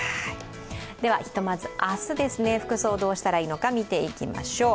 ひとまず、明日の服装をどうしたらいいのか見ていきましょう。